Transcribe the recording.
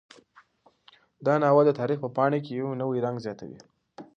دا ناول د تاریخ په پاڼو کې یو نوی رنګ زیاتوي.